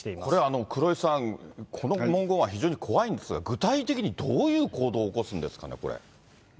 これ、黒井さん、この文言は非常に怖いんですが、具体的に、どういう行動を起こすんですかね、これ。